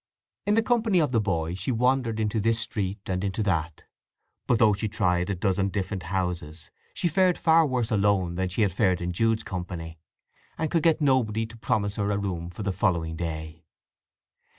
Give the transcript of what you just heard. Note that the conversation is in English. In the company of the boy she wandered into this street and into that; but though she tried a dozen different houses she fared far worse alone than she had fared in Jude's company, and could get nobody to promise her a room for the following day.